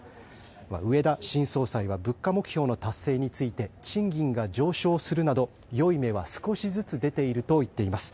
植田新総裁は物価目標の達成について賃金が上昇するなどよい芽は少しずつ出ていると言っています。